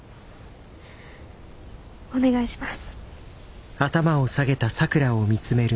お願いします。